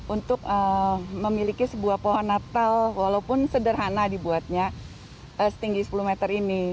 untuk memiliki sebuah pohon natal walaupun sederhana dibuatnya setinggi sepuluh meter ini